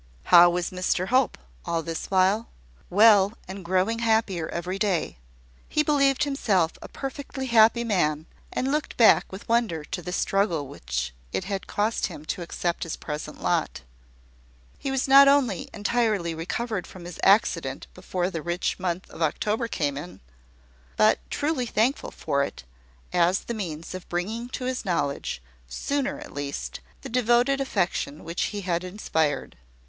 How was Mr Hope, all this while? Well, and growing happier every day. He believed himself a perfectly happy man, and looked back with wonder to the struggle which it had cost him to accept his present lot. He was not only entirely recovered from his accident before the rich month of October came in, but truly thankful for it as the means of bringing to his knowledge, sooner at least, the devoted affection which he had inspired.